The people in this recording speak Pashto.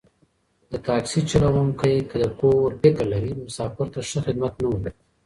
د تاکسي چلوونکی که د کور فکر لري، مسافر ته ښه خدمت نه ورکوي.